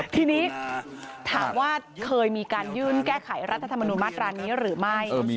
ทีนี้ถามว่าเคยมีการยื่นแก้ไขรัฐธรรมนุนมาตรานี้หรือไม่